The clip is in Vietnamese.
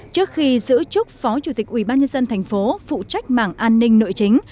trước khi giữ chức phó chủ tịch ubnd tp phụ trách mảng an ninh nội chính